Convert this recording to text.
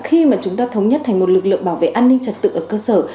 khi mà chúng ta thống nhất thành một lực lượng bảo vệ an ninh trật tự ở cơ sở